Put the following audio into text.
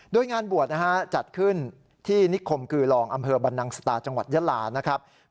โดยงานบวชจัดขึ้นที่นิคคมคือรองอำเฮอร์บันนังสตาจังหวัดยะลา